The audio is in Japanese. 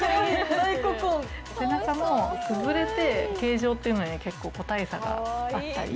背中も崩れて形状っていうのに結構個体差があったり。